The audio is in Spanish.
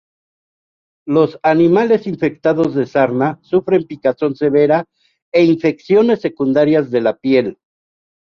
Los animales infectados de sarna sufren picazón severa e infecciones secundarias de la piel.